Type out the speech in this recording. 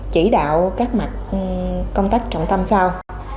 chỉ đạo các mặt công tác trọng tâm sau